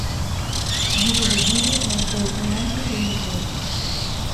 Guido Bellido marcou un antes e un despois.